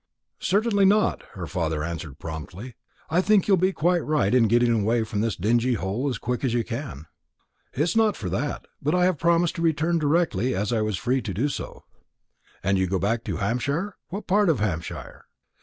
"Certainly not," her father answered promptly. "I think you will be quite right in getting away from this dingy hole as quick as you can." "It is not for that. But I have promised to return directly I was free to do so." "And you go back to Hampshire? To what part of Hampshire?"